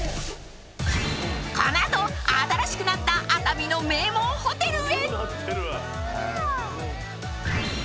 ［この後新しくなった熱海の名門ホテルへ］